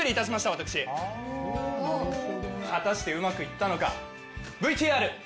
私果たしてうまくいったのか？